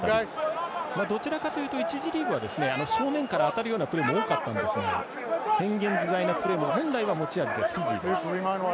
どちらかというと１次リーグ正面から当たるようなプレーも多かったんですが変幻自在のプレーも本来の持ち味です、フィジー。